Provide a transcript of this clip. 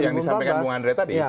yang disampaikan bung andre tadi